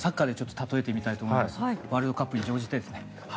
例えてみたいと思いますワールドカップに乗じてですね